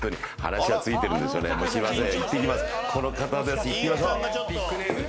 この方ですいってみましょう。